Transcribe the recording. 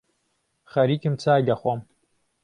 خەریکم چای دەخۆم